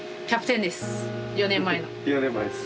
４年前です。